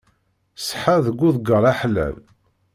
Ṣṣeḥa deg uḍeggal aḥlal.